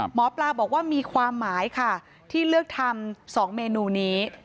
หมอปลาบอกว่ามีความหมายค่ะที่เลือกทำ๒เมนูนี้